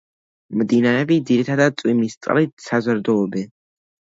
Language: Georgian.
მდინარეები ძირითადად წვიმის წყლით საზრდოობენ.